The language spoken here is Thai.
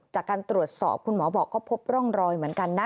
จากการตรวจสอบคุณหมอบอกก็พบร่องรอยเหมือนกันนะ